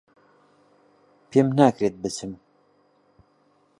پێم ناکرێت بچم